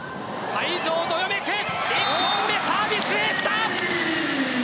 会場がどよめく１本でサービスエースだ。